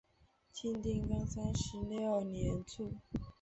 晋定公三十六年卒。